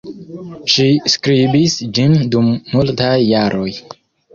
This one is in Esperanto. Ŝi skribis ĝin dum multaj jaroj.